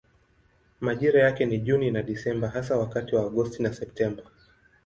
Majira yake ni Juni na Desemba hasa wakati wa Agosti na Septemba.